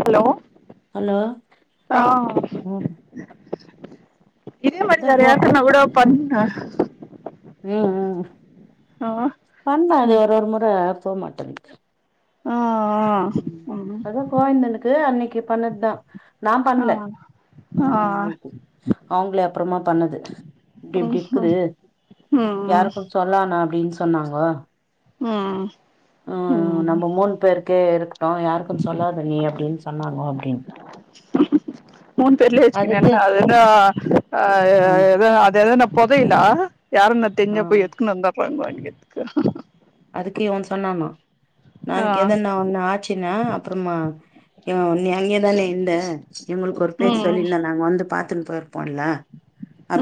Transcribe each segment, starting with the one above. Hello hello ஆ ம் இன்னும் இத பண்றாரு போ நேத்து நா கூடோ பண்ணே ம் ம் ஆமா பண்ணா இது ஒரு ஒரு மொற போ மாட்டேங்குது ஆ ம் அதா கோவிந்தனுக்கு அன்னைக்கு பண்ணதுதா நா ஆ பண்ல ஆ அவங்களுக்கு அவங்களே அப்றமா பண்ணது இப்டி ம் இப்டி இருக்குது ம் ம் யாருக்கும் சொல் சொல்ல வேனா அப்டி சொன்னாங்கோ ம் ஆ ம் நம்ம மூனு பேர்க்கே நா யாருக்கும் சொல்லாது நீ அப்டின்னு சொன்னாங்க அப்டின்னு மூணு பேர்லய வச்சக்க அதுக்கு என்ன அதுன அ ம் ஆ ததுன பொதயலா யாருன்னு ஆ தெரிஞ்சா‌ போய் எடுத்துட்டு வந்துர்லா இன்நேரத்துக்கு அதுக்கு இவன் சொன்னனா ஆ நான்க்கு எதன ஒண்ணு ஆச்சுன்னா அப்பறமா இவன் ஒன்னே நீ அங்கதானே இந்த எங்களுக்கு ஒரு பேச்ச ம் சொல்லியிருந்தேன் நாங்க வந்து பா த்துனு போயிருப்போம்ல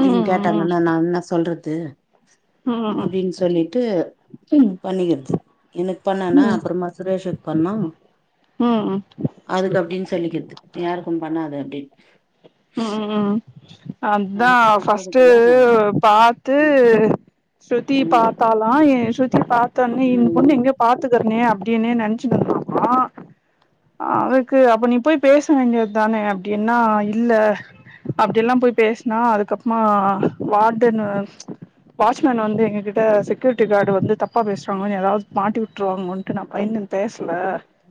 ம் ம் கேட்டாங்கன்னா நான் என்ன சொல்றது ம் அப்டின்னு சொல்லிட்டு ம் பண்ணிக்கிறது என க்கு பண்ணானா ம் அப்பறம் சுரேஷ்க்கு பண்ணா ஆ ஆ அதுக்கு அப்டின்னு சொல்லிக்கிறது யாருக்கும் பண்ணாது அப்டின்னு ஆ ஆ அது அதுதான் ஃபஸ்ட் சொல்றதுக்குதா பார்த்து ம் ஸ்ருதி ம் பார்த்தால் வாயே ஸ்ருத்தி பார்த்தொன்னே இந்த பொண்ணு ம் எங்கயோ பாத்துக்கறனே அப்டின்னே நென் ச்சிட்டு இருந்தாலா அதுக்கு அப்ப நீ போய் பேச வேண்டியது தானே அப்டின்னா இல்ல அப்டியெல்லாம் போய் பேசினா அதுக்கப்புறமா வார்டன்னு வாட்ச்மேன் வந்து எங்க கிட்ட செக்யூரிட்டி கார்டு வந்து தப்பா பேசுவாங்க ஏதாவது மாட்டி விட்டுருவாங்கோன்னு நான் பயிந்து பேசல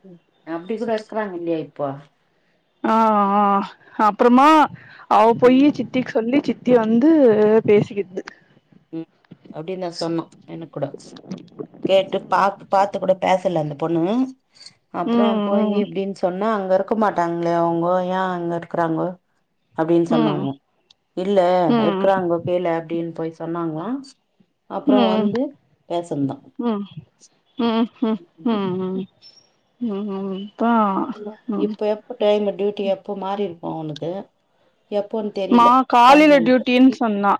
ம் அப்டி கூட இருக்கறாங்க இல்லையா இப்போ ஆ ஆ அப்பறமா அவ போயி ம் சி சித்திக்கு சொல்லி சித்தி வந்து பேசிக்கிது ம் அப்டின்னு தான் சொன்னா எனக் கூட கேட்டு பா பார்த்து கூட பேசல அந்த பொண்ணு அப்பறம் போய் ம் இப்டின்னு சொன்னா அங்க இருக் இருக்க மாட்டாங்களையா அவங்கோ ஏன் அங்க இருக்கிறாங்கோ அப்டின்னு ம் சொன்னாங்களா இல்ல ம் இருக்கிறாங்கோ கீழ அப்டின்னு போய் சொன்னாங்களாம் ம் அப்பறம் ம் வந்து பேசந்தான் ஆ ஹ ஹ ஹா ஆ இப்ப எப்ப டைம் டியூட்டி எப்போ மாறி இருக்கும் அவனுக்கு எப்போன்னு தெ மா காலையில டியூட்டின்னு சொன்னா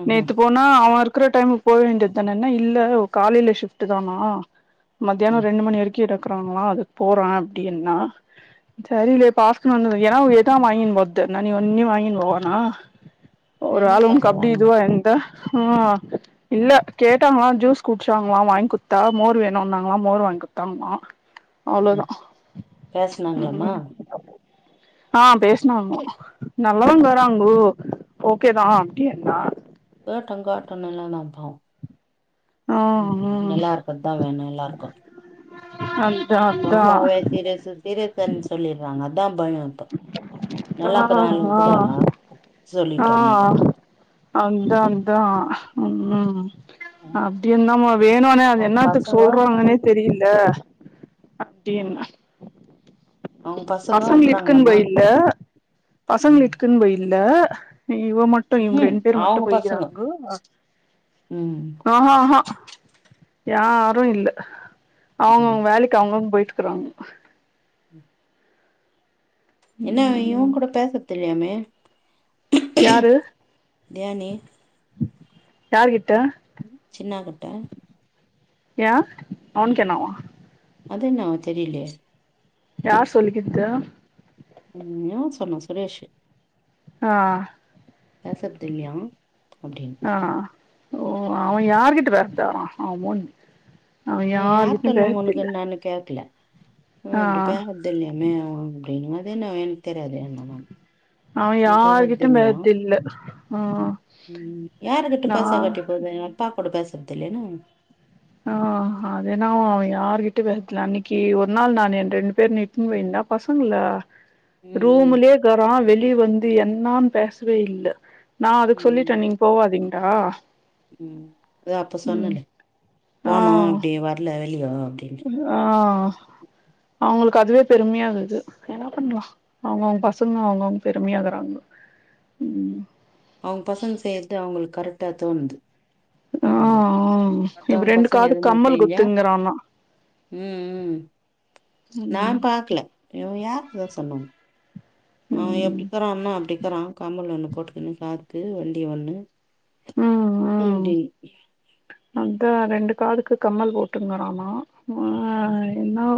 ம்ஹூம் நேத்து போனா அவன் இருக்கிற டைமுக்கு போக வேண்டியது தானே என்ன இல்ல காலையில ஷிப்ட் தானா மத்தியானம் ம் ரெண்டு மணி வரைக்கும் இருக்குறாங்களாம் அதுக்கு போறேன் அப்டின்னா தெரிலயே பாஸ்ட் வந்துடும் ஏனாவ் எதா வாய்ன்னு போறது நான் நீ ஒன்னும் வாய்ன்னு போ வேணா ஒரு என்ன ஆளு உனக்கு அப்டி சாப்பிடுறாங்க இதுவா இந்தா ஆ இல்ல கேட்டாங்களா ஜூஸ் குடிச்சாங்களா வாய்ன் குத்தா மோர் வேணும்னாங்களா மோர் வாங்கி குத்தான்னா [inaudible] அவ்ளோதான் பேசுனாங்களாமா ம் ஆ பேசினாங்களா நல்லாதாங் கேட்டோ தராங் ப்ரோ ஓகேதான் அப்டி என்னா கேட்டன் கேட்டன் எல்லாம் நா பாத் ம் நல்லா இருக்கதுதான் வேணும் நல்லா இருக்கும் அந்தா உன் அம்மாவே சீரிஸ் சீரிஸ்ன்னு சொல்லிடுறாங்க அதான் பயோ நல்லா ஆ இருக்கற ஆளுங்க ஆ கூட ஆ சொல்லிட்டா என்ன பண்ற அந்தான்ந்தான் ம் ம் ம் அப்டி இருந்தமோதே நானே அது அவங்க என்னத்துக்கு பசங்க சொல்றாங்கன்னே தெரில் ந்து அப்டின் அவங்க பசங்க பசங்ளுக்குன் இருக்கறாங்களாமா போயில்ல ம் பசங்ளுக்குன் போயில்ல இவ மட்டு இவங்க ம்ஹூம் ரெண்டு பேர் மட்டு அவங்க போய்கிறாங்கோ பசங்க ம் ஆ ஹாஹா யாருல்ல ம் அவுங்கவுங்க வேலைக்கி அவுங்கவுங்க போயிட்டுகிறாங்க என்ன ம் இவுங் கூட பேசறது இல்லையாமே யாரு தியானி யாருகிட்ட சின்னா கிட்ட ஏ அவனுக்கேன்னாவா அது என்னாவோ தெரிலேயே யார் சொல்லிகிது ம் சொன்னா சுரேஷ் ஆ பேசறதில்லையா அப்டின் ஆ ஓ அதே யார்கிட்ட பேஸ் [unintelligible] அவே முஞ் அவே யார்கிட்டையு பேசுறதில்ல ஒன்னு கேக்கல ம் அப்டி பேசறது இல்லையாமே அப்டின் அது என்ன எனக் தெரியாதே அப்டின்ன நானு அவே யார்கிட்டயு பெஸ்தல்ல அ ம் யாருக்கிட்ட பேசா காட்டி போது அப்பா கூட பேசறதில்லேன்னா ஆ [inaudible] அது என்னவோ அவே யாரக்கிட்டே பேசர்தில்ல அன்னைக்கி ஒரு நாள் நானு ரெ ரெண்டு பேர் இட்டுன்னு போய்ந்தா பசங்கள ம் ரூம்லயே இருகரோ வெளி வந்து என்னான் பேசவே இல்ல நா அதுக்கு சொல்லிட்டே ம் நீங்க போவாதீங்டா ம் அதா அப்ப சொன்னனே ஆ போனோ அப்படி வரல வெளியோ அப்டின் ஆ அவுங்களுக் அதுவே பெருமையாகுது என்ன பண்ணலா அவுங்கவுங்க பசங்க அவுங்கவுங் பெருமையாக்கறாங்கோ ம் அவங் பசங் செய்யறது அவுங்களுக்கு கரெக்டா தோணுது ஆ அவங்க ஆ இப்ப மத்தவங்க ரெண்டு பசங்க காது எதுனா கம்மல் செஞ்சா குத்துங்கிறான்னா ம் ம் நா ம் பாக்கல இவே யார் அத சொன்னா ஆ ம் எப்டிக்காரான்னா அப்டிக்கறா கம்பல் ஒண்ணு போட்டுக்குன்னு காத்துக்கு வண்டியை ஒண்ணு ம் ம் அப்டின் அதா ரெண்டு காதுக்கு கம்மல் போட்டுங்குறானா ஆ என்னவோ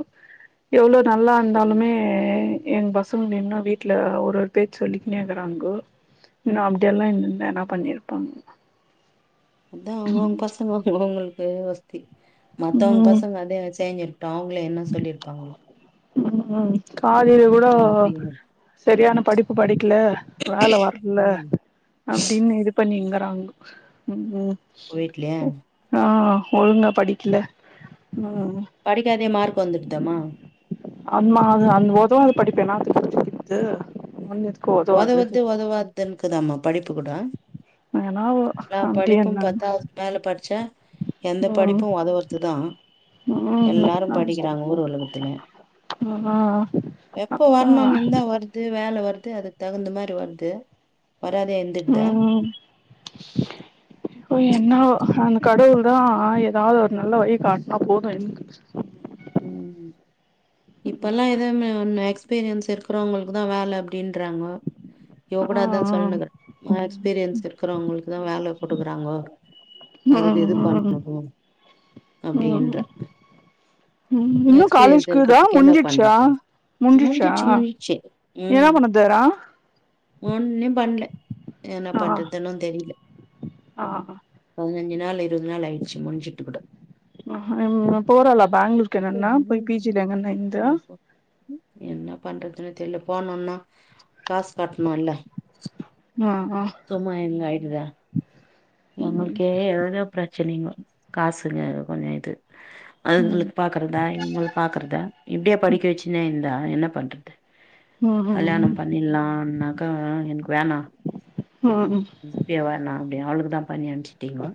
எவ்ளோ நல்லா ம் இருந்தாலுமே எ எங்க பஸ் சங்கோ இன்னு வீட்ல ஒரு ஒரு பேர் சொல்லிக்கின்னே இருக்காணுங்கோ இன்னு அப்டியெல்லா இருந்துர்தா என்னா பண்ணியிருப்பாங் அதா அவுங்கவுங் பசங்க அவுங்களுக்கு ஒஸ்தி மத்தவங் ம் பசங்க அதே செஞ்சிரு ட்டு அவுங்கள என்ன சொல்லியிருப்பாங்க ம் ம் காலையில கூடோ நா அப்டின்னு செரியான படிப்பு படிக்கல வேல வரல ம் அப்டின் இது பண்ணிங்கிறாங்கோ ம் ம் வீட்ல ஆ ஒழுங்க படிக்கில ம் படிக்காதே மார்க் வந்துர்தாமா ஆமா அது அந்த உதவாத படிப்பு என்னாத்க்கு படிக்றது [inaudible] உதவர்து உதவாதுன் இக்குதாமா படிப்பு கூட வேணாவோ நா படிப்பு அப்டின்னாங்க பத்தாவதுக்கு மேல படிச்சே எந்த ம் படிப்பு உதவ்றது தா எல்லாரு ம் படிக்குறாங்க ஊரு உலகத்துல ஆ எப்போ அதா வர்ணுன் இருந்தா வர் து வேல வர்து அதுக் தகுந்த மாரி வர்து வராதே இருந்துடுதா ம் ஒ என்னவோ அந்த கடவுள் தா எதாவ்து ஒரு நல்ல வழி காட்னா போது எனக்கு ம் இப்பல்லா எத ம் எக்ஸ்பீரியன்ஸ் இருக்றவங்களுக்கு தா வேல அப்டின்றாங்க இவ ஆ கூட அதா ஆ சொல்னுக்றா எக்ஸ்பீரியன்ஸ் இருக்கறவங்களுக்குதா வேல குடுக்குறாங்கோ ம் அதுக்கு எதுக் ம் பண்ணு அப்டின்றா ம் ம் ம் இன்னு காலேஜ் எக்ஸ்பீரியன்ஸ் இக்குதா இருக்கிறதுக்கு என்ன முஞ்சிச்சா பண்றது முஞ்சிச்சா முடிஞ்சிச்சு முடிஞ்சிச்சு என்ன பண்ணதுறா ஒன்னிம் பண்ல என்ன பண்றதுனு தெரில ஆ பதினஞ்சு நாள் இருவது நாள் ஆய்ச்சு முஞ்சுட்டு குட ஹ ம் போறாளா பெங்ளூருக்கு என்னன்னா போய் பி ஜி ல எங்கன்ன இந்து ம். என்ன பண்றதுனு தெர்ல போனுனா காஸ் கட்ணு இல்ல ஆ ஆ சும்மா எங்க ஆய்டுதா ம் எங்களுக்கே ஏதேதோ பிரச்சனைங்கோ காசுங்க கொஞ்சோ இது ம் அதுங்களுக்கு பாக்கறதா எங்களுக் பாக்கறதா இப்டே படிக்க வச்சுன்னே இந்தா என்ன பண்றது ம் ம் கல்யாணோ பண்ணில்லானாக்கா எனக்கு வேணா ம் ம் இப்யே வேணா அப்டி அவளுக்குதா பண்ணி அனுப்ச்சிட்டீங்கோ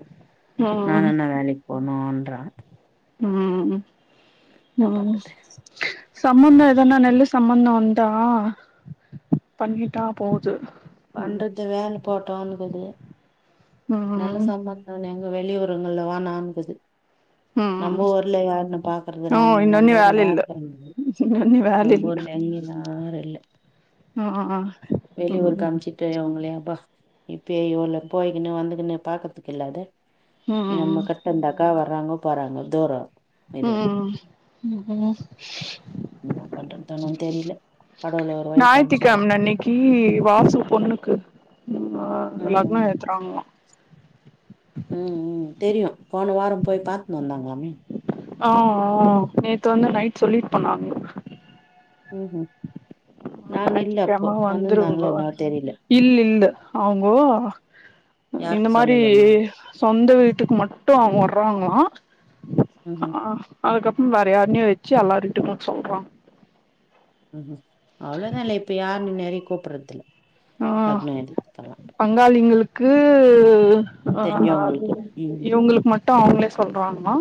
நா ம் நல்ல வேலைக் போனுன்றா ம் என்ன ம் பண்றது சம்மந்தோ எதன்னா நல்ல சம்மந்தோ வந்தா பண்ணிட்டா போது ம் வந்தது வேல போட்டோ வந்துது நல்ல ம் சம்மந்தோ எங்க வெளி ஊருங்கள்ல வேணான்ங்குது ம் நம்ப ஊர்ல யாருன்ன பாக்குறது நாங்க நம்ப ஊர்ல யாரு இக்கறாங்க எங்க அண்ணியோட நம்ப ஊர்ல எங்கிமே யாரு இல்ல வெளியூருக்கு ம் அம்ச்சுட்டு அவங்களே ப்பா இப்பே ஊர்ல போய்கின்னு வந்துக் கின்னு பாக்கர்த்துக்கு இல்லாத ம் நம்ம கட் பண்டாக்கா வர்றாங்க போறாங்க தூரோ இது ம் ம் இன்னா பண்றது ஒன்னு தெரில கடவுள் ஒரு வழி காம்ச்சாதா கீழி வாசு பொண்ணுக்கு ம் லக்னோ ம் ஏத்துறாங்ளா ம் ம் தெரியு போன வாரோ போய் பாத்ன்னு வந்தாங்ளாமே ஆ ஆ நேத்து வந்து நைட் சொல்லிட் போனாங்க ம் ஹூம் நாங்க இல்ல அப்போ ஞாயித்திக்கெழம வந்துருந்தாங்ளா என்னவோ வந்துருங்கோனு தெரில இல்ல இல்ல அவுங்கோ இந்த யாருக்கு மாரி சொல்லலமா சொந்த வீட்டுக்கு மட்டு அவுங்க வர்றாங்ளா ம் ம் ஆ அதுக்கப்பு வேற யார்ன்யு வெச்சு அல்லார் வீட்டுக்கு சொல்றாங் ம் ம் அவ்ளோதா இல்ல இப்ப யார்னு நெறையக் கூப்புட்றது இல்ல லக்னோ எது குத்தாலா ங்காளிங்களுக்கு ஆ தெரிஞ்சவங்களுக்கு ம் இவுங்குளுக் மட் ட்டு அவுங்ளே சொல்றாங்ளா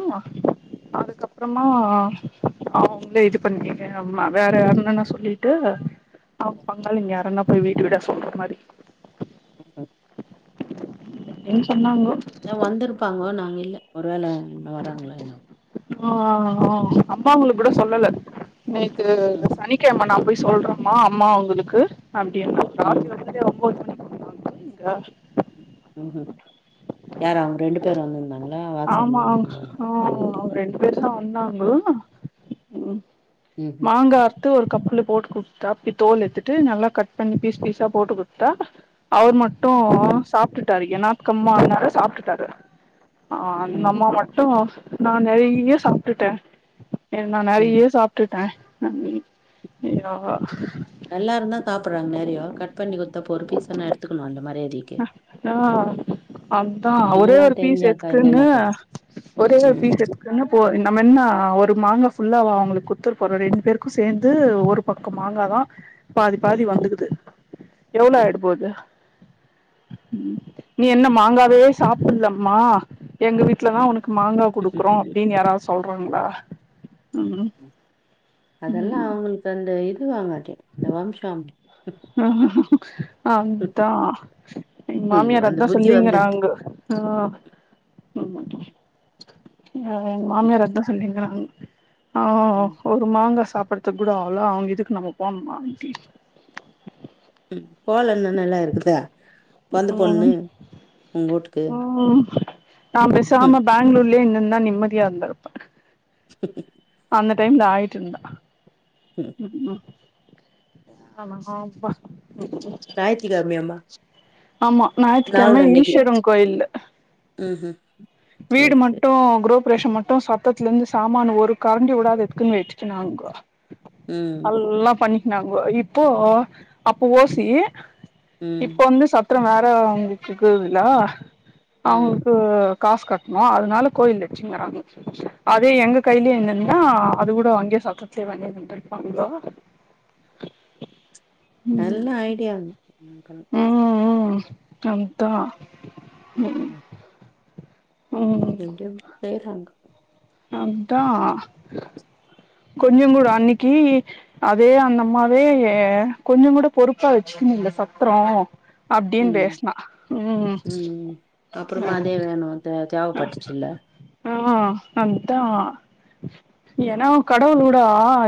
அதுக்கப்றமா அவுங்ளே இதுப் பண்ணிக்கே அம்மா வேற என்னனா சொல்லிட்டு அவுங் பங்காளிங்க யாரனா போய் வீடு வீடா சொல்ற மாரி ம் ம் என் சொன்னாங்கோ அதா வந்திருப்பாங்கோ நாங்க இல்ல ஒரு வேல என்ன வராங்ளா என்னவோ ஓ ஓ அம்மாவுங்குளுக் கூட சொல்லல நேத்து ம்ஹூ சனிக் கேமா நாப் போய் சொல்றம்மா அம்மா அவுங்குளுக்கு ம் அப்டின்ன [unintelligible] [unintelligible] ம் ம் யாரு அவுங்க ரெண்டு பேரு வந்துந்தாங் ஆமா அவுங் அ அவுங் ரெண்டுப் பேர்தா ஒந்தாங்க ம் ம்ஹூம் மாங்கார்க் த்து ஒரு கப்புல போட்டு குட்த்தாப்பி தோல் எத்துட்டு நல்லாக் கட் பண்ணி பீஸ் பீஸா போட்டு குட்த்தா அவுர் மட்டு ம் சாப்ட்டுட்டாரு எனாத்கம்மால்னாரு சாப்ட்டுட்டாரு ஆ ம் நம்ம மட்டு நா நெறைய்ய சாப்ட்டுட்டே அ நா ம் நெறைய சாப் ட்டுட்டே நன்னி இய்யோ எல்லாருந்தா சாப்பர்றாங் நெறையோ கட் பண்ணி குத்தா போரு பீஸ் எனா எடுத்துக்கணு அந்த மரியாதீக்கி ஆ அதா ஒரே அதுங்கல்லா ஒரு பீஸ் தெரிஞ்சாக்கா எத்குன்னு என்னென்னக்குது ஒரே ஒரு ம் பீஸ் எத் கின்னுபோ நம்ம என்ன ஒரு மாங்கா ஃபுல்லாவா அவங்ளுக் குத்துற போறோ ரெண்டு பேருக்கு சேந்து ஒருப் பக்கம் மாங்காதா பாதி பாதி வந்துகுது எவ்ளோ ஆய்டப்போது நீ என்ன மாங்காவே சாப்பில்லமா எங்க வீட் ட்லதா உனுக்கு மாங்கா குடுக்குறோ அப்டின் யாராவ் சொல்றாங்ளா ம் அதெல்லா ம் அவுங்குள்க்கு அந்த இது வாங்காட்டே இந்த வம்சம் அத்தா எங் ஐயோ மாமியார் அந்த அதா புத்தி வந்துடுது சொல்லிங்கறாங்க ஆ எங் மாமியார் அதா சொல்லிங்கறாங் ஆ ம் ரும் மாங்கா சாப்பறதுக் கூட அவ்ளோ அவுங்க இதுக்கு நம்ம போண்மா ம் போலன்னா நல்லா இருக்குதா பொந்த பொண்ணு ம் உங்க வூட்டுக்கு ம் நாப் ம் பேசாம பெங்ளூர்லியே இந்துத்தா நிம்மதியா இந்துருப்பே அந்த டைம்ல ஆயிட்டுருந்தா ம் ம் ஆமா ஆம்ப்பா நாயித்தி கெழமையாம்மா ஆமா ஞாயித்துக்கெழம ஈஸ்வரங் கோயில்ல ம்ஹும் வீடு சேரி சேரி மட்டு குரூப் புரவேஷம் மட்டு சத்தத்லேந்து சாமான ஒரு கரண்டி விடாத எத்குன் போய் வெச்குனாங்க ம் அல்லா பண்ணிக்னாங்கோ இப்போ அப்ப ஓசி ம் இப்ப வந்து சத்ரோ வேற அவுங்கக்கிக்குதுல ம் அவுங்குக்கு காச் கட்ணு அதனால கோயில் இச்சுங்கிறாங்க அதே எங்க கைலியே இந்துந்தா அது கூட அங்யே சத்தத்லே [unintelligible] இருப்பாங்கொ ம் நல்லா ஐடியா பண் பண் ம் ம் அதா ம் [unintelligible] அதா கொஞ்ச கூட அன்னிக்கு அதே அந்தமாவே கொஞ்ச கூட பொறுப்பா வச்சுக்கணுல்ல சத்ரோ அப்டின் ம் பேசுனா ம் ம் அப்புறமா அதே வேணு தே தேவ பட்டுச்சில்ல ஆ அதா ஏன்னா கடவுளோடா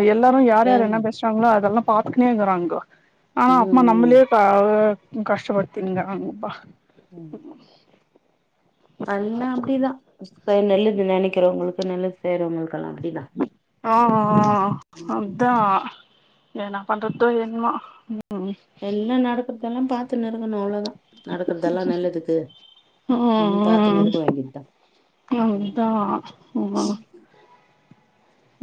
எ எல்லாருமே யார் யார் என்ன ம் பேசுறாங்களோ அதெல்லா பாத்துக்னே இருகுறாங்க ஆனா அப்மா நம் ம் நம்ளே பா ஒரு கஷ்ட படுத்திருந்தாங்கப்பா ம் அல்லா அப்டிதா செய் நெல்லது நெனக்கிறவங்களுக்கு நெல்லது செய்றவங்களுக்கெல்லா அப்டிதா ஆ அதா என்ன பண்றதோ என்மா ம் எல்லா நடக்கறதெல்லா பாத்துனு இருக்கணு அவ்ளோதா நடக்கறதெல்லா நல்லதுக்கு அயு பாத்துன்னு இருக்க வேண்டியதா யம் இதா அமா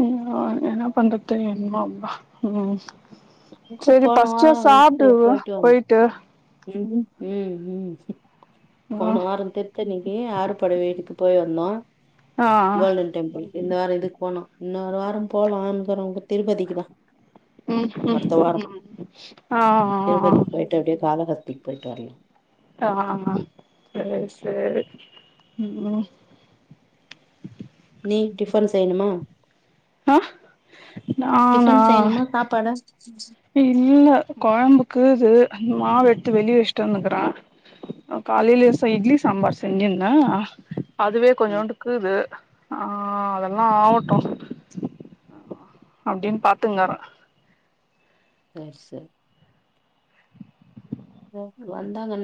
ம் அ என்ன பண்றதோ என்மோமா ம் கூட சரி போன பசிச்சா வாரம் இதுக்கு சாப்டு போயிட்டு வந்தோம் போய்ட்டு ம் ம் ம் போன ம் வாரோ திருத்தணிக்கி ஆறு பட வீட்டுக்கு போயிருந்தோ ஆ கோல்டன் டெம்பிள் இந்த வாரோ இதுக்கு போனோ இன்னொரு வாரோ போலானுங்கிறோ திருப்பதிக்குதா ம் ம் ம் ஆ ஆ அப்டியே காலகஸ்திக்கு போய்ட்டு வரலா ஆ ஆ செரி செரி ம் ம் நீ டிஃபன் செய்ணுமா ஆ நானா டிஃபன் செய்யணுமா சாப்பாடா இல்ல கொழம்புக்கூது மாவு எடுத்து வெளிய வச்ட்டு வந்துக்குற நா காலைலே செ இட்லி சாம்பார் செஞ்சிருந்த அதுவே ம் கொஞ்சோண்டு இக்கூது ஆ அதெல்லா ஆவட்டு அப்டின் பாத்துங்கரே சேரி சரி ஒ வந்தாங்கன்னா